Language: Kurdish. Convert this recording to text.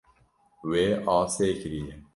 Wê asê kiriye.